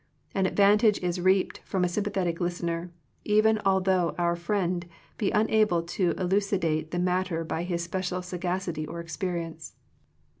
An advantage is reaped from a sympathetic listener, even al though our friend be unable to elu cidate the matter by his special sagacity or experience.